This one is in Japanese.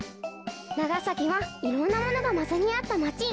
長崎はいろんなものがまざりあったまち。